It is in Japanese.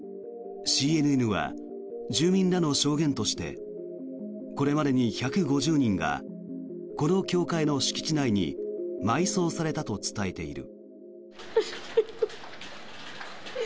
ＣＮＮは、住民らの証言としてこれまでに１５０人がこの教会の敷地内に埋葬されたと伝えている。